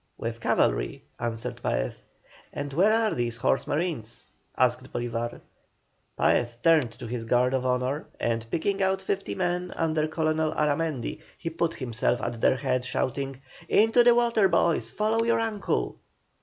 "With cavalry," answered Paez. "And where are these horse marines?" asked Bolívar. Paez turned to his guard of honour, and picking out fifty men under Colonel Aramendi, he put himself at their head, shouting: "Into the water, boys! Follow your Uncle!"